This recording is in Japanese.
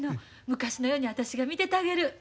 昔のように私が見ててあげる。